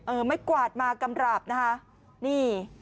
ไม่กวาดมากำราบนะคะนี่